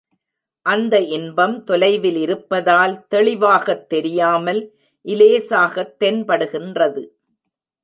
அந்த இன்பம் தொலைவிலிருப்பதால், தெளிவாகத் தெரியாமல், இலேசாகத் தென்படுகின்றது.